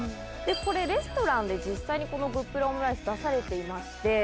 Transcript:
これレストランで実際にこのグップラオムライス出されていまして。